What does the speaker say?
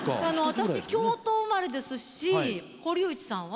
私京都生まれですし堀内さんは？